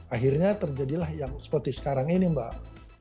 akhirnya terjadilah yang seperti sekarang ini mbak